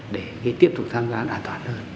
để tiếp tục tham gia an toàn hơn